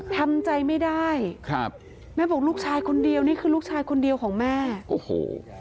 ทำใจไม่ได้ครับแม่บอกลูกชายคนเดียวนี่คือลูกชายคนเดียวของแม่โอ้โห